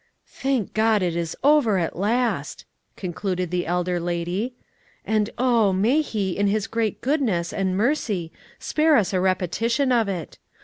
"Thank God it is over at last!" concluded the elder lady; "and oh, may He, in His great goodness and mercy, spare us a repetition of it.